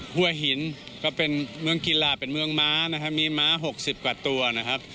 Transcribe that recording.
หัวหินก็เป็นเมืองกีฬาเป็นเมืองม้านะครับมีม้า๖๐กว่าตัวนะครับ